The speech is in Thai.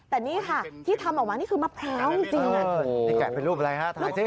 แต่นี่ค่ะที่ทำออกมานี่คือมะพร้าวจริงนี่แกะเป็นรูปอะไรฮะถ่ายสิ